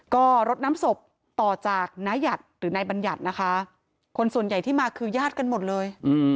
ก็รถน้ำศพต่อจากนายบรรยัตน์คนส่วนใหญ่ที่มาคือญาติกันหมดเลย